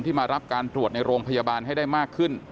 มารับการตรวจในโรงพยาบาลให้ได้มากขึ้น